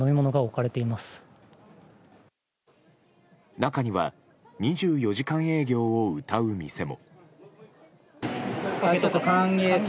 中には２４時間営業をうたう店も。